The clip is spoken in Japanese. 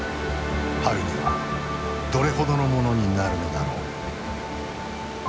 春にはどれほどのものになるのだろう。